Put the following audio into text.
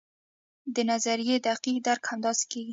د نظریې دقیق درک همداسې کیږي.